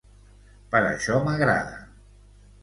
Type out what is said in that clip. Per això m'agrada...